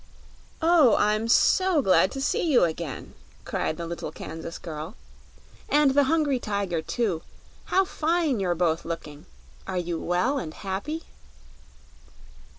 "Oh, I'm SO glad to see you again!" cried the little Kansas girl. "And the Hungry Tiger, too! How fine you're both looking. Are you well and happy?"